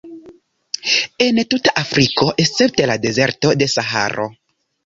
En tuta Afriko, escepte la dezerto de Saharo.